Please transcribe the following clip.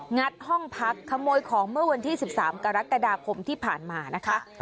งัดห้องพักขโมยของเมื่อวันที่๑๓กรกฎาคมที่ผ่านมานะคะ